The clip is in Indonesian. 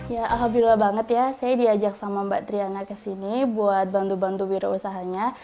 ya alhamdulillah banget ya saya diajak sama mbak triana kesini buat bantu bantu wirausahanya